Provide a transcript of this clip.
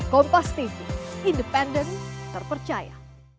kompas tv independen terpercaya